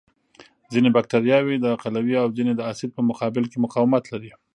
ځینې بکټریاوې د قلوي او ځینې د اسید په مقابل کې مقاومت لري.